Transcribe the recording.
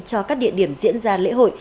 cho các địa điểm diễn ra lễ hội